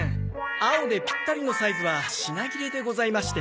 青でピッタリのサイズは品切れでございまして。